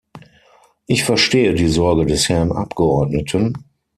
Ich verstehe die Sorge des Herrn Abgeordneten.